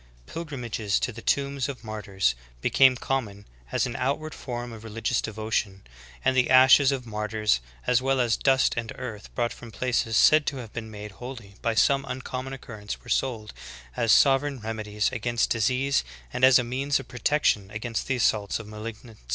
Pilgrimages to the tombs of martyrs became common as an outward form of religious devotion ; and the ashes of martyrs as well as dust and earth brought from places said to have been made holy by some uncommon occurrence were sold as sovereign remedies against disease and as means of pro tection against the assaults of malignant spirits.